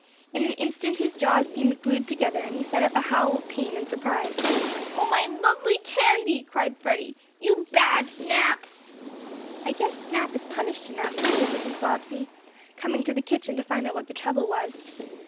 In an instant his jaws seemed glued together, and he set up a howl of pain and surprise. "Oh, my lovely candy!" cried Freddie. "You bad Snap!" "I guess Snap is punished enough," said Mrs. Bobbsey, coming to the kitchen to find out what the trouble was.